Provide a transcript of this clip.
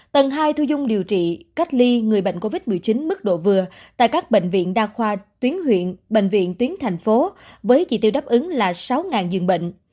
tầng hai thu dung điều trị cách ly người bệnh covid một mươi chín mức độ vừa tại các bệnh viện đa khoa tuyến huyện bệnh viện tuyến thành phố với chỉ tiêu đáp ứng là sáu dường bệnh